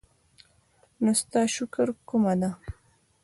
نو ستا شکر کومه دی؟